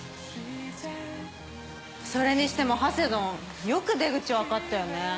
それにしてもハセドンよく出口分かったよね。